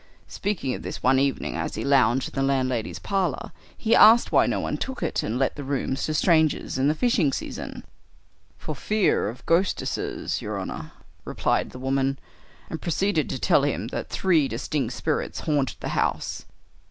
Speaking of this one evening as he lounged in the landlady's parlor, he asked why no one took it and let the rooms to strangers in the fishing season. 'For fear of the ghostissess, your honor,' replied the woman, and proceeded to tell, him that three distinct spirits haunted the house.